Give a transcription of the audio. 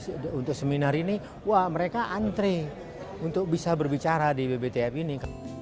malah speaker kita tadi untuk seminar ini wah mereka antre untuk bisa berbicara di bbtf ini